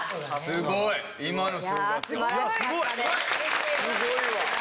すごいわ。